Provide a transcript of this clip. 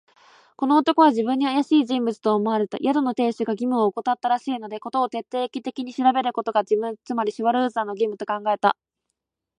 この男は自分にはあやしい人物と思われた。宿の亭主が義務をおこたったらしいので、事を徹底的に調べることが、自分、つまりシュワルツァーの義務と考えた。